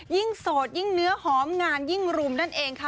โสดยิ่งเนื้อหอมงานยิ่งรุมนั่นเองค่ะ